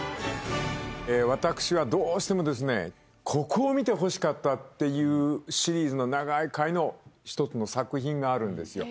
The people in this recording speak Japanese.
私はどうしてもですねここを見てほしかった！っていうシリーズの長い回の１つの作品があるんですよ